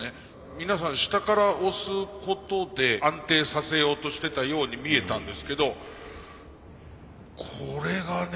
皆さん下から押すことで安定させようとしてたように見えたんですけどこれがね